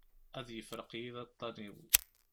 Ad yefreq yid-i aṭṭan-iw.